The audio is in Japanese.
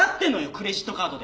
クレジットカードで。